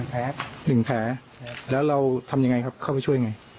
๑แผลแล้วเราทำยังไงครับเข้าไปช่วยไง